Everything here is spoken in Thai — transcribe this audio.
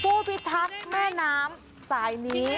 ผู้พิทักษ์แม่น้ำสายนี้